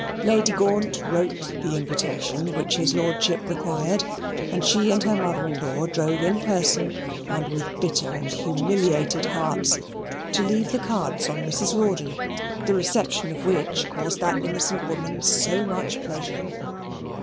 Lady Gaunt wrote the invitation which his Lordship required, and she and her mother in law drove in person, and with bitter and humiliated hearts, to leave the cards on Mrs. Rawdon, the reception of which caused that innocent woman so much pleasure.